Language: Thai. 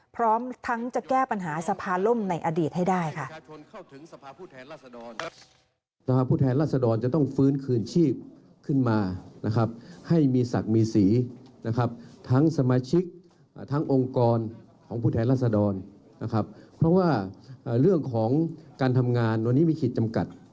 พร้อมทั้งจะแก้ปัญหาสภาล่มในอดีตให้ได้ค่ะ